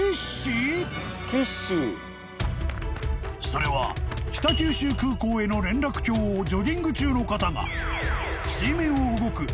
［それは北九州空港への連絡橋をジョギング中の方が］